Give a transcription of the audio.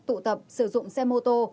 tụ tập sử dụng xe mô tô